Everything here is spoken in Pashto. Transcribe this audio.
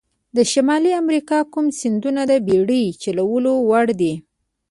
د شمالي امریکا کوم سیندونه د بېړۍ چلولو وړ دي؟